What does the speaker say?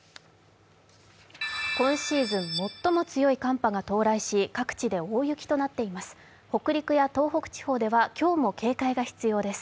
今シーズン最も強い寒波が到来し、各地で大雪となっています。